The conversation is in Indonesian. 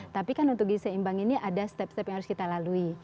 tapi kan untuk gizi seimbang ini ada step step yang harus kita lalui